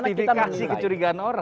tapi kan bagaimana kita menilai